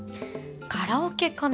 カラオケかな